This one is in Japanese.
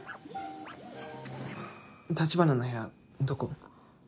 橘の部屋どこ？